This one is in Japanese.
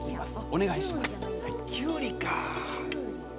お願いします。